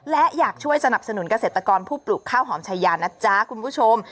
และอยากช่วยสนับสนุนเกษตรกรผู้ปลูกข้าวหอมชายานะจ๊ะคุณผู้ชม